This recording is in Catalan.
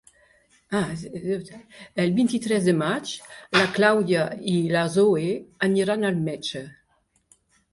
El vint-i-tres de maig na Clàudia i na Zoè aniran al metge.